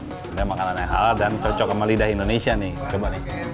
ini adalah makanan yang halal dan cocok sama lidah indonesia nih coba